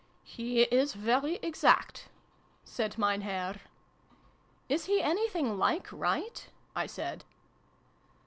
He is very exact !" said Mein Herr. "Is he anything like right ?" I said.